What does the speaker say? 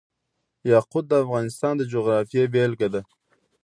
یاقوت د افغانستان د جغرافیې بېلګه ده.